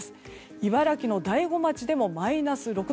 茨城の大子町でもマイナス６度。